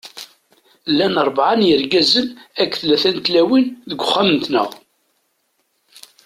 Llan ṛebɛa n yirgazen akked tlata n tlawin deg uxxam-nteɣ.